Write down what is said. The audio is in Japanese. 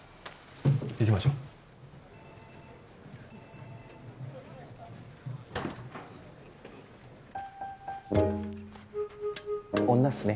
行きましょう女っすね